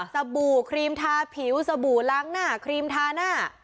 บู่ครีมทาผิวสบู่ล้างหน้าครีมทาหน้า